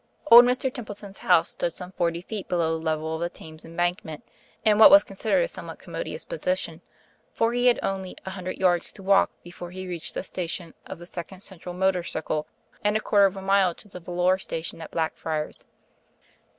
Old Mr. Templeton's house stood some forty feet below the level of the Thames embankment, in what was considered a somewhat commodious position, for he had only a hundred yards to walk before he reached the station of the Second Central Motor circle, and a quarter of a mile to the volor station at Blackfriars.